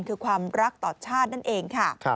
คือความรักต่อชาตินั่นเองค่ะ